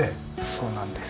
そうなんです。